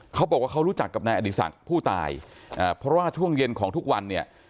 เขาบอกว่าเขารู้จักกับนายอดีศักดิ์ผู้ตายเพราะว่าช่วงเย็นของทุกวันเนี่ย